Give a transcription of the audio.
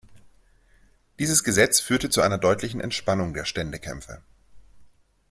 Dieses Gesetz führte zu einer deutlichen Entspannung der Ständekämpfe.